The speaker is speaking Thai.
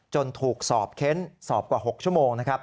จนถูกสอบเค้นสอบกว่า๖ชั่วโมง